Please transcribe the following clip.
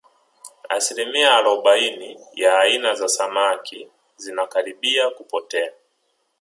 asilimia arobaini ya aina za samaki zinakaribia kupotea